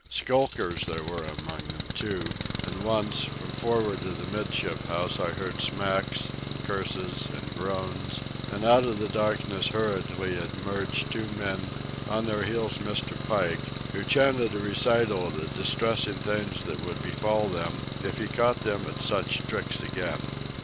Skulkers there were among them, too; and once, from for'ard of the 'midship house, I heard smacks, and curses, and groans, and out of the darkness hurriedly emerged two men, on their heels Mr. Pike, who chanted a recital of the distressing things that would befall them if he caught them at such tricks again.